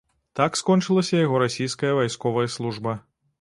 Так скончылася яго расійская вайсковая служба.